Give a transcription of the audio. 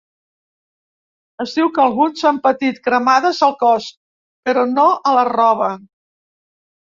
Es diu que alguns han patit cremades al cos, però no a la roba.